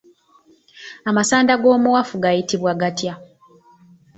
Amasanda g’omuwafu gayitibwa gatya